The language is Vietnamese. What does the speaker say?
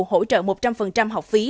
hỗ trợ một trăm linh học phí